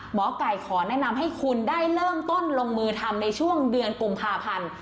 หมอไก่ขอแนะนำให้คุณได้เริ่มต้นลงมือทำในช่วงเดือนกุมภาพันธ์